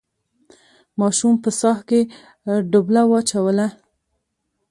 ماشوم په څاه کې ډبله واچوله.